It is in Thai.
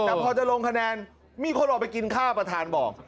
แต่พอจะลงคะแนนมีคนออกไปกินข้าวประธานบอก